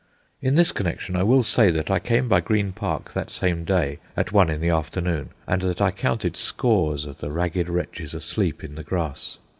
In this connection, I will say that I came by Green Park that same day, at one in the afternoon, and that I counted scores of the ragged wretches asleep in the grass.